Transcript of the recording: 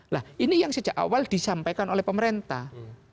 nah ini yang sejak awal disampaikan oleh pemerintah